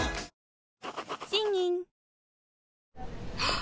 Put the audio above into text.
あ！